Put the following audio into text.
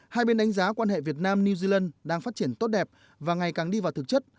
hai bên đánh giá quan hệ việt nam new zealand đang phát triển tốt đẹp và ngày càng đi vào thực chất